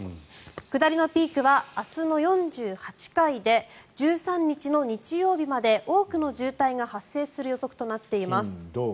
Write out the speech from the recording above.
下りのピークは明日の４８回で１３日の日曜日まで多くの渋滞が発生する予測となっています。